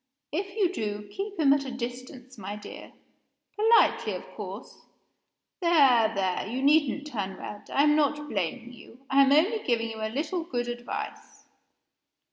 If you do, keep him at a distance, my dear politely, of course. There! there! you needn't turn red; I am not blaming you; I am only giving you a little good advice.